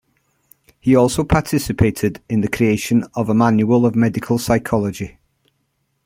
He also participated in the creation of a manual of medical psychology.